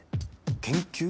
研究？